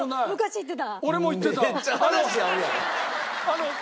行ってた。